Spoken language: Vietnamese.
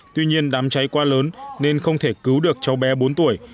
tuy nhiên đám cháy qua lớn nên không thể cứu được cháu bé bốn tuổi